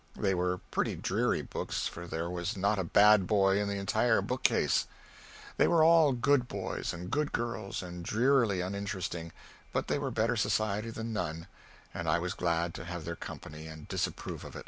They were pretty dreary books, for there was not a bad boy in the entire bookcase. They were all good boys and good girls and drearily uninteresting, but they were better society than none, and I was glad to have their company and disapprove of it.